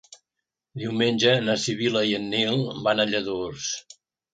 Diumenge na Sibil·la i en Nil van a Lladurs.